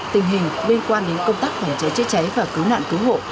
tình hình liên quan đến công tác phòng cháy chữa cháy và cứu nạn cứu hộ